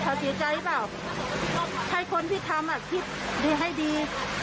เขาเสียใจหรือเปล่าให้คนที่ทำอ่ะคิดให้ดี